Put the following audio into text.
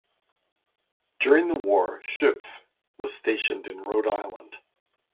During the war Schoepff was stationed in Rhode Island.